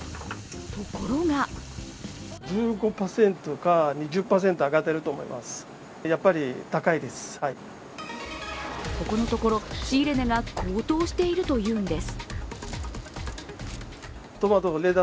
ところがここのところ、仕入れ値が高騰しているというんです。